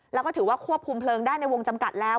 แล้วก็ถือว่าควบคุมเพลิงได้ในวงจำกัดแล้ว